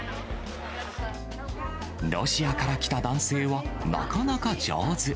ロシアから来た男性はなかなか上手。